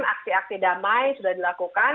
aksi aksi damai sudah dilakukan